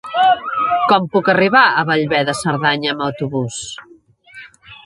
Com puc arribar a Bellver de Cerdanya amb autobús?